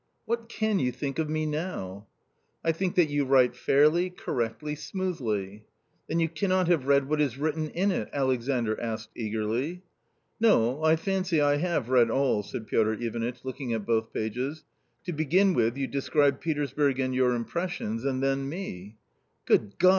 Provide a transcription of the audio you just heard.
What can you think of me now ?"" I think that you write fairly, correctly, smoothly." " Then you cannot have read what is written in it ?" Alexandr asked eagerly. " No, I fancy I have read all," said Piotr Ivanitch, look ing at both pages ;" to begin with you describe Petersburg and your impressions, and then me." " Good God